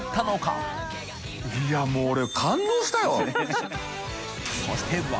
いやもう俺亀梨）